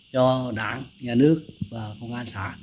cho đảng nhà nước và công an xã